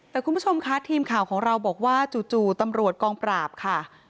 แต่คุณผู้ชมค่ะทีมข่าวของเราบอกว่าจู่ตำรวจกองปราบค่ะ